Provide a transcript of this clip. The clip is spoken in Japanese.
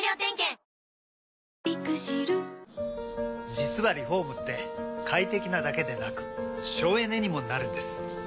実はリフォームって快適なだけでなく省エネにもなるんです。